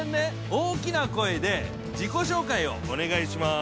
大きな声で、自己紹介をお願いします。